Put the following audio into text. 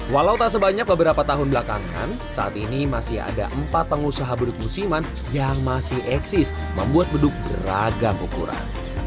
walau tak sebanyak beberapa tahun belakangan saat ini masih ada empat pengusaha beduk musiman yang masih eksis membuat beduk beragam ukuran